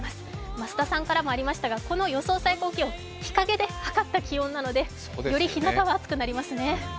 増田さんからもありましたがこの予想最高気温、日かげで測った気温なのでよりひなたは暑くなりますね。